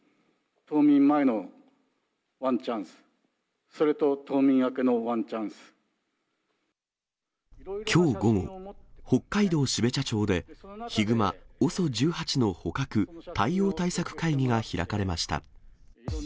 冬眠前のワンチャンス、きょう午後、北海道標茶町で、ヒグマ、ＯＳＯ１８の捕獲・対応対策会議が開かれました。